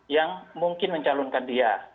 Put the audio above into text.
yang mungkin mencalonkan dia